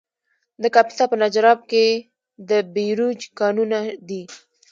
د کاپیسا په نجراب کې د بیروج کانونه دي.